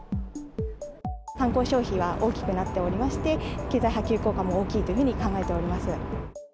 観光消費が大きくなっておりまして、経済波及効果も大きいというふうに考えております。